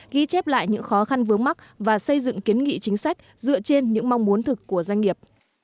ghi chép lại những khó khăn vướng mắt và xây dựng kiến nghị chính sách dựa trên những mong muốn thực của doanh nghiệp